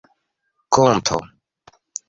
konto